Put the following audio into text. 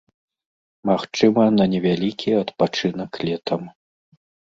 Магчыма, на невялікі адпачынак летам.